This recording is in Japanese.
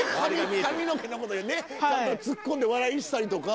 髪の毛のことでねちゃんとツッコんで笑いにしたりとか。